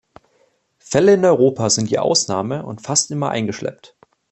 Fälle in Europa sind die Ausnahme und fast immer eingeschleppt.